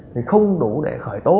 thì không đủ để khởi tố